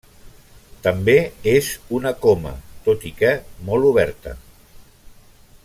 També és una coma, tot i que molt oberta.